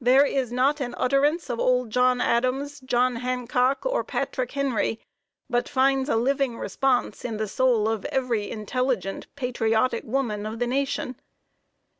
There is not an utterance of old John Adams, John Hancock or Patrick Henry, but finds a living response in the soul of every intelligent, patriotic woman of the nation.